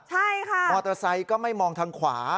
ใช่ค่ะมอเตอร์ไซค์ก็ไม่มองทางขวา